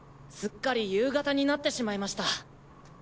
すっかり夕方になってしまいました。